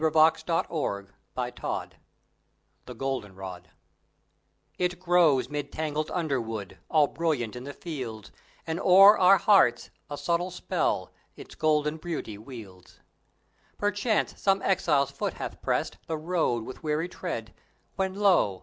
THE NATIONAL FLOWER (THE GOLDEN ROD) It grows 'mid tangled underwood, All brilliant in the fields, And o'er our hearts a subtile spell Its golden beauty wields. Perchance some exile's foot hath pressed The road with weary tread, When lo!